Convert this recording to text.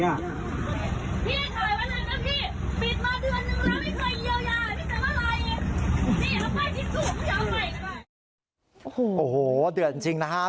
โอ้โหเดือนจริงนะครับ